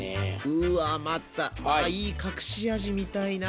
うわまたあいい隠し味みたいな。